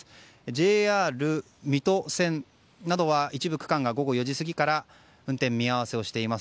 ＪＲ水戸線などは一部区間が午後４時過ぎから運転見合わせをしています。